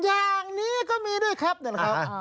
อย่างนี้ก็มีด้วยครับเนี่ยนะครับ